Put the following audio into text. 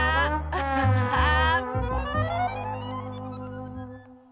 アッハハハー！